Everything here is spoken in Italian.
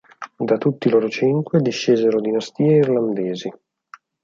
Da tutti loro cinque discesero dinastie irlandesi.